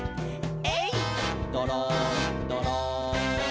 「えいっどろんどろん」